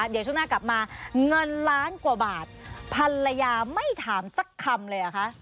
เดี๋ยวช่วงหน้ากลับมาเงินล้านกว่าบาทภรรยาไม่ถามสักคำเลยเหรอคะ